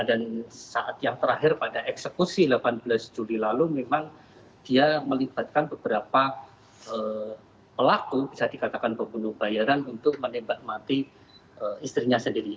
dan saat yang terakhir pada eksekusi delapan belas juli lalu memang dia melibatkan beberapa pelaku bisa dikatakan pembunuh bayaran untuk menembak mati istrinya sendiri